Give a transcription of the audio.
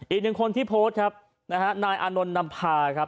อีกหนึ่งคนที่โพสต์ครับนะฮะนายอานนท์นำพาครับ